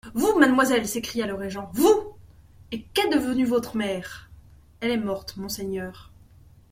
Vous, mademoiselle ! s'écria le régent, vous ! Et qu'est devenue votre mère ? Elle est morte, monseigneur.